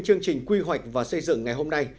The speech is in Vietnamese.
chương trình quy hoạch và xây dựng ngày hôm nay